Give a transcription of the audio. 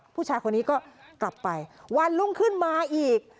ผู้ชายคนนี้ก็กลับไปวันรุ่งขึ้นมาอีก